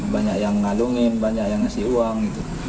banyak yang ngalungin banyak yang ngasih uang gitu